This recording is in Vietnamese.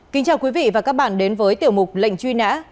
kính chào quý vị và các bạn đến với tiểu mục lệnh truy nã